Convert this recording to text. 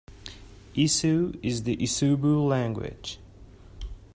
Isu is the Isubu language.